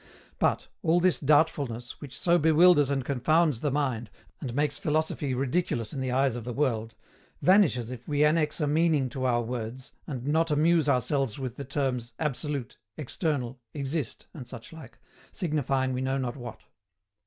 But, all this doubtfulness, which so bewilders and confounds the mind and makes philosophy ridiculous in the eyes of the world, vanishes if we annex a meaning to our words, and not amuse ourselves with the terms "absolute," "external," "exist," and such like, signifying we know not what.